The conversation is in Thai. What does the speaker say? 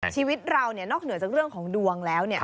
ชีวิตเรานอกเหนือจากเรื่องของดวงแล้ว